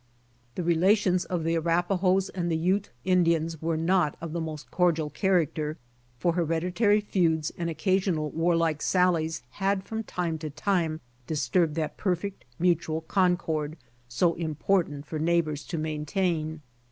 The relations of the Arapahoes and the Ute Indians were not of the most cordial character, for hereditary feuds and occasional warlike sallies had from time to time disturbed that perfect mjutual concord so important for neighbors to main tain.